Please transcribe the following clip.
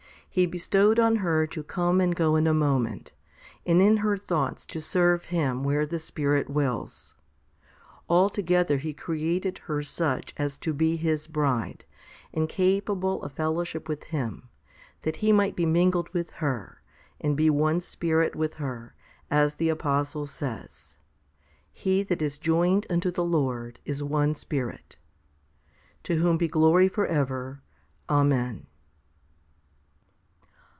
He bestowed on her to come and go in a moment, and in her thoughts to serve Him where the Spirit wills. Altogether He created her such as to be His bride, and capable of fellowship with Him, that He might be mingled with her, and be one spirit with her, as the apostle says, He that is joined unto the Lord is one spirit. 2 To whom be glory for ever. Amen.